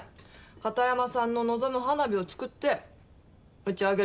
片山さんの望む花火を作って打ち上げる事です。